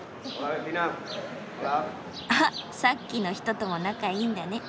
あっさっきの人とも仲いいんだね。